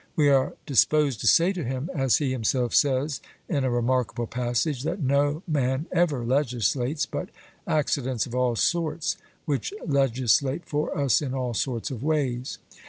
We are disposed to say to him, as he himself says in a remarkable passage, that 'no man ever legislates, but accidents of all sorts, which legislate for us in all sorts of ways.